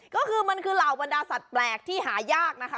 ก็คือมันคือเหล่าบรรดาสัตว์แปลกที่หายากนะคะ